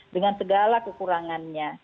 dengan segala kekurangannya